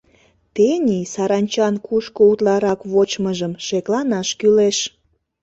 Тений саранчан кушко утларак вочмыжым шекланаш кӱлеш.